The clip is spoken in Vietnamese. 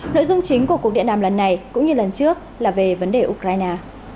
nội dung chính của cuộc điện đàm lần này cũng như lần trước là về vấn đề ukraine